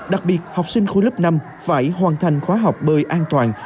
đặc biệt học sinh khối lớp năm phải hoàn thành khóa học bơi an toàn